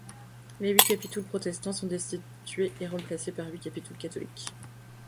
Les huit capitouls protestants sont destitués et remplacés par huit capitouls catholiques.